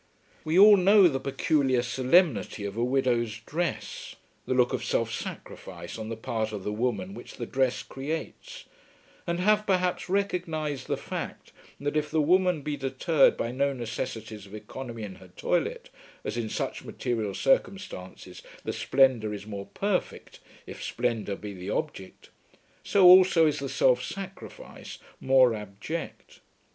We all know the peculiar solemnity of a widow's dress, the look of self sacrifice on the part of the woman which the dress creates; and have perhaps recognised the fact that if the woman be deterred by no necessities of oeconomy in her toilet, as in such material circumstances the splendour is more perfect if splendour be the object, so also is the self sacrifice more abject.